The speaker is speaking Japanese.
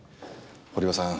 堀場さん